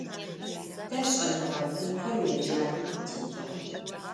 Te ş'enığe kuuxer yêcap'em khıtitığ.